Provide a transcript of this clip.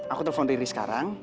aku telepon riri sekarang